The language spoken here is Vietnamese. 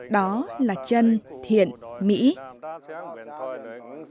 đó là chân thiện mỹ